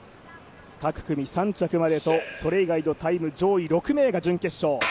各組３着までとそれ以外のタイム上位６位が準決勝。